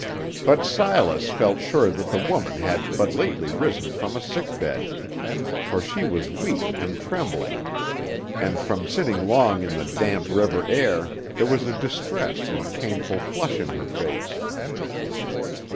But Silas felt sure that the woman had but lately risen from a sick bed; for she was weak and trembling, and from sitting long in the damp river air, there was a distressed and painful flush in her face.